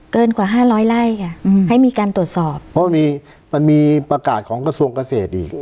เกินกว่าห้าร้อยไล่ค่ะอืมให้มีการตรวจสอบเพราะมีมันมีประกาศของกระทรวงเกษตรอีก